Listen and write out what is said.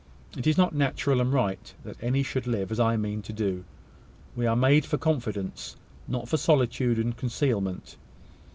It is not natural and right that any should live as I mean to do. We are made for confidence, not for such solitude and concealment.